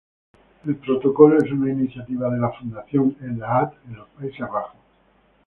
El protocolo es una iniciativa de la fundación E-Laad en los Países Bajos.